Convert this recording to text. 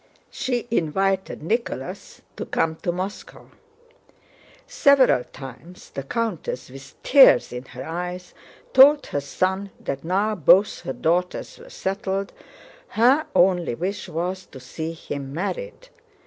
She invited Nicholas to come to Moscow. Several times the countess, with tears in her eyes, told her son that now both her daughters were settled, her only wish was to see him married.